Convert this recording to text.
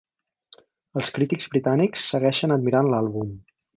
Els crítics britànics segueixen admirant l'àlbum.